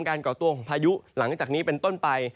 ก่อตัวของพายุหลังจากนี้เป็นต้นไป